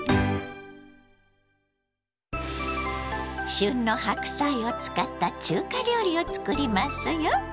旬の白菜を使った中華料理を作りますよ。